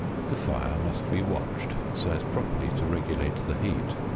The fire must be watched so as properly to regulate the heat.